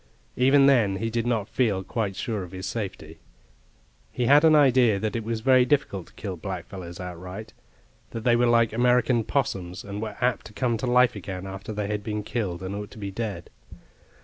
Even then he did not feel quite sure of his safety. He had an idea that it was very difficult to kill blackfellows outright, that theywere like American 'possums, and were apt to come to life again after they had been killed, and ought to be dead.